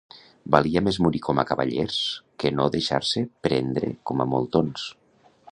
Valia més morir com a cavallers que no deixar-se prendre com a moltons.